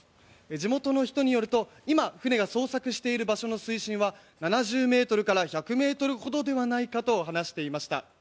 地元の人によると今、船が捜索している場所の水深は７０ｍから１００ｍほどではないかと話していました。